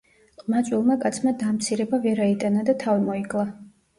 ყმაწვილმა კაცმა დამცირება ვერ აიტანა და თავი მოიკლა.